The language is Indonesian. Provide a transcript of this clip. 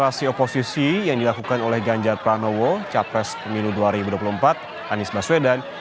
komunikasi oposisi yang dilakukan oleh ganjar pranowo capres pemilu dua ribu dua puluh empat anies baswedan